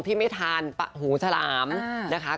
ที่ไม่ทานหูฉลามนะคะ